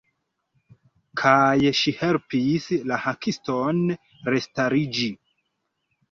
Kaj ŝi helpis la Hakiston restariĝi.